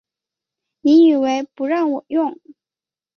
你以为不让我用